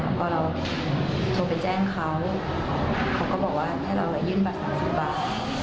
พอเราโทรไปแจ้งเขาเขาก็บอกว่าให้เราไปยื่นบัตร๓๐บาท